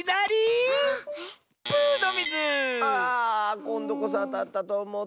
こんどこそあたったとおもったッス。